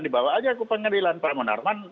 dibawa aja ke pengadilan pak munarman